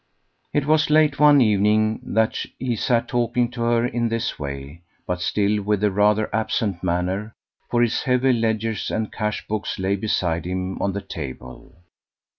It was late one evening that he sat talking to her in this way, but still with a rather absent manner, for his heavy ledgers and cash books lay beside him on the table.